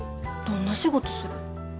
どんな仕事する？